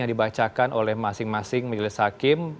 yang dibacakan oleh masing masing majelis hakim